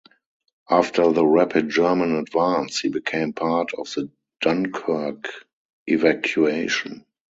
After the rapid German advance he became a part of the Dunkirk evacuation.